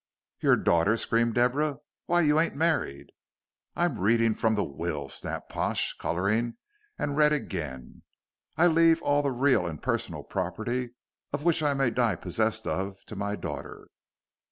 '" "Your daughter!" screamed Deborah. "Why, you ain't married." "I am reading from the will," snapped Pash, coloring, and read again: "I leave all the real and personal property of which I may die possessed of to my daughter."